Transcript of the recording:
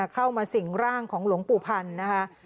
เข้ามาสิ่งร่างของหลวงปู่พันธ์นะคะ